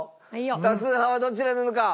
多数派はどちらなのか？